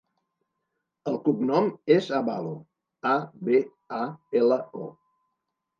El cognom és Abalo: a, be, a, ela, o.